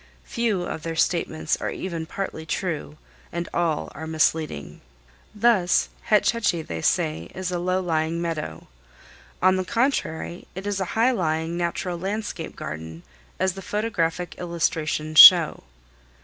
Few of their statements are even partly true, and all are misleading. Thus, Hetch Hetchy, they say, is a "low lying meadow." On the contrary, it is a high lying natural landscape garden, as the photographic illustrations show.